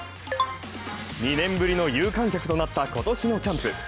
２年ぶりの有観客となった今年のキャンプ。